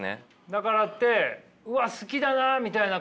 だからってうわっ好きだなあみたいな感情は？